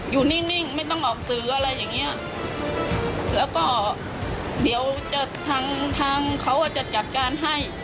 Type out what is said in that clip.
อยู่นิ่งไม่ต้องออกสื่ออะไรอย่างเงี้ยแล้วก็เดี๋ยวจะทางทางเขาจะจัดการให้